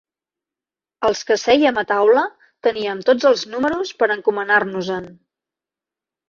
Els que sèiem a taula teníem tots els números per encomanar-nos-en.